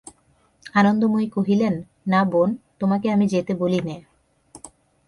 আনন্দময়ী কহিলেন, না বোন, তোমাকে আমি যেতে বলি নে।